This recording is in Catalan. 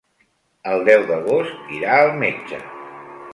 El deu d'agost irà al metge.